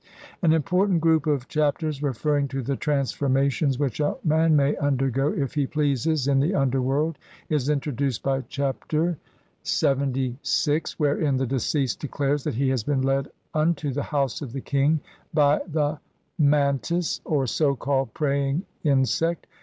An important group of Chapters referring to the transformations which a man may undergo , if he pleases, in the underworld, is introduced by Chapter LXXVI, wherein the deceased declares that he has been led unto the "House of the King" by the man tis, or so called "praying insect".